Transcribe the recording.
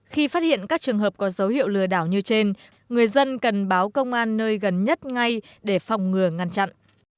khi phát hiện các trường hợp có dấu hiệu lừa đảo như trên người dân cần báo công an nơi gần nhất ngay để phòng ngừa ngăn chặn